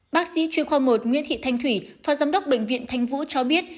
bác sĩ chuyên khoa một nguyễn thị thanh thủy phó giám đốc bệnh viện thanh vũ cho biết